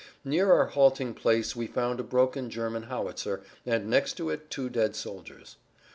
Near our halting place we found a broken German howitzer, and next to it two dead soldiers.